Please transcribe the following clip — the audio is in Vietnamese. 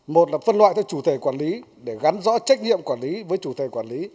một là phân loại cho chủ thể quản lý để gắn rõ trách nhiệm quản lý với chủ thể quản lý